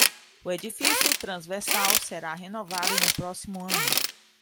O edifício transversal será renovado no próximo ano